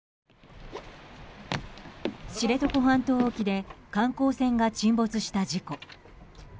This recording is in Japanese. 知床半島沖で観光船が沈没した事故。